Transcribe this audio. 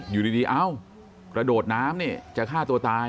อยู่ดีเอ้ากระโดดน้ำนี่จะฆ่าตัวตาย